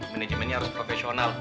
manajemennya harus profesional